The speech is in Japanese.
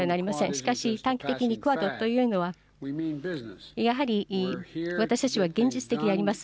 しかし、短期的にクアッドというのは、やはり私たちは現実的であります。